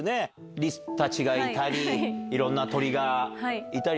リスたちがいたり、いろんな鳥がいたり。